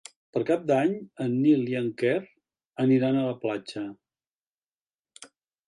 Per Cap d'Any en Nil i en Quer aniran a la platja.